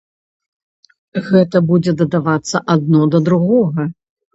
Гэта будзе дадавацца адно да другога.